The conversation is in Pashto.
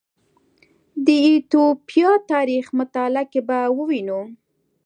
د ایتوپیا تاریخ مطالعه کې به ووینو